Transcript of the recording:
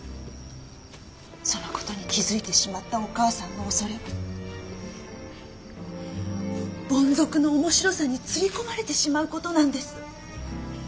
そのことに気付いてしまったお母さんのおそれは凡俗の面白さにつり込まれてしまうことなんです。